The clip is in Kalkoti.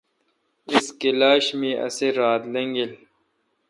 اس کلاش می اس رات لیگلا۔